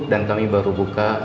dan kami baru buka